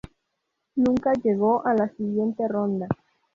Nunca llegó a la siguiente ronda.